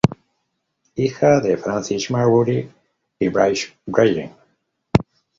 Hija de Francis Marbury y Bridget Dryden.